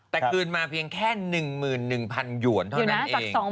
แต่คืนมาเพียงแค่๑๑๐๐๐หยวนเท่านั้นเอง